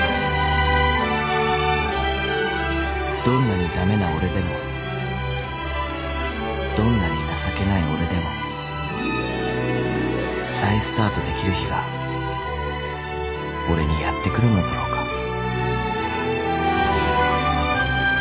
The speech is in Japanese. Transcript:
［どんなに駄目な俺でもどんなに情けない俺でも再スタートできる日が俺にやって来るのだろうか］